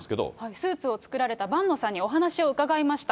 スーツを作られた伴野さんにお話を伺いました。